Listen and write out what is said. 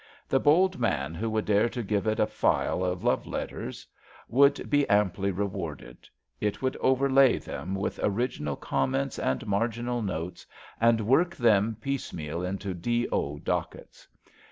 The bold man who would dare to give it a file of love letters would be amply re warded. It would overlay them with original com ments and marginal notes, and work them piece meal into D. 0. dockets.